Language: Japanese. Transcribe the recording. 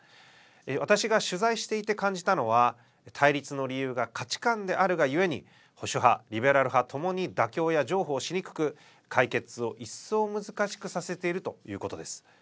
私が取材していて感じたのは対立の理由が価値観であるがゆえに保守派リベラル派ともに妥協や譲歩しにくく解決を一層難しくさせているということです。